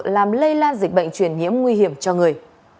làm lây lan dịch bệnh truyền nhiễm nguy hiểm cho người